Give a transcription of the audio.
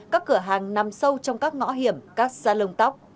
các cửa hàng nằm sâu trong các ngõ hiểm các salon tóc